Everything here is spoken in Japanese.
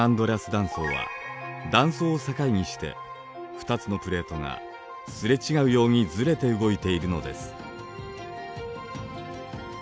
断層は断層を境にして２つのプレートがすれ違うようにずれて動いているのです。